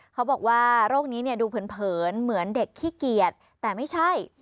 เขาบอกว่าโรคนี้ดูเผินเหมือนเด็กขี้เกียจแต่ไม่ใช่